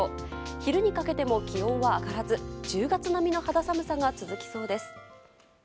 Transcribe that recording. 昼にかけても気温は上がらず１０月並みの肌寒さが続きそうです。